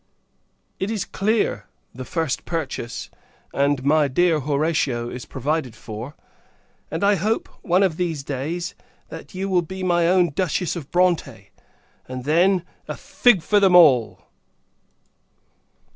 It is clear the first purchase and my dear Horatia is provided for: and, I hope, one of these days, that you will be my own Duchess of Bronte; and, then, a fig for them all!